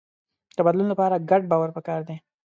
د بدلون لپاره ګډ باور پکار دی.